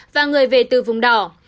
và người về từ vùng đỏ